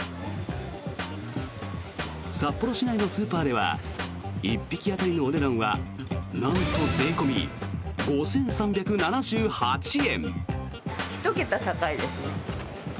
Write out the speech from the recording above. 札幌市内のスーパーでは１匹当たりのお値段はなんと税込み５３７８円。